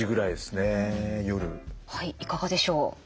はいいかがでしょう？